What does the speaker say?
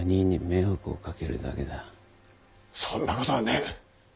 そんなことはねぇ。